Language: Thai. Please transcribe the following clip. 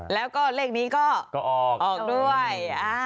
แล้วก็เลขนี้ก็ออกด้วย